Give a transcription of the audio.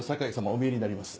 お見えになります。